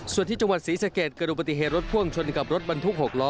ส่วนที่จังหวัดศรีสะเกดเกิดดูปฏิเหตุรถพ่วงชนกับรถบรรทุก๖ล้อ